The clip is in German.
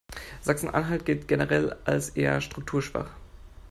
Sachsen-Anhalt gilt generell als eher strukturschwach.